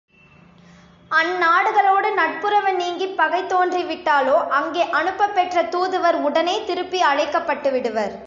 அந் நாடுகளோடு நட்புறவு நீங்கிப் பகைதோன்றி விட்டாலோ அங்கே அனுப்பப்பெற்ற தூதுவர் உடனே திருப்பி அழைக்கப்பட்டுவிடுவர்.